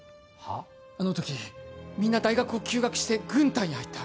あのとき、みんな大学を休学して軍隊に入った。